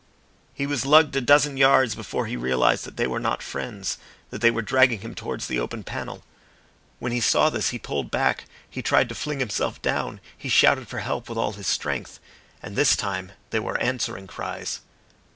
He was lugged a dozen yards before he realised that they were not friends that they were dragging him towards the open panel. When he saw this he pulled back, he tried to fling himself down, he shouted for help with all his strength. And this time there were answering cries.